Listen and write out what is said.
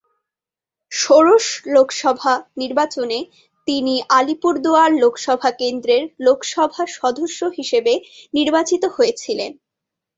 ষোড়শ লোকসভা নির্বাচনে তিনি আলিপুরদুয়ার লোকসভা কেন্দ্রের লোকসভা সদস্য হিসেবে নির্বাচিত হয়েছিলেন।